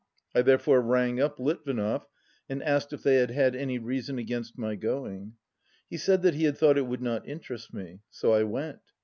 213 I therefore rang up Litvinov, and asked if they had had any reason against my going. He said that he had thought it would not interest me. So I went.